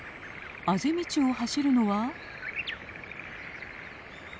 あぜ道を走るのは。